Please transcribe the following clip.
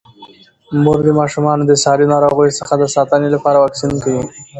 مور د ماشومانو د ساري ناروغیو څخه د ساتنې لپاره واکسین کوي.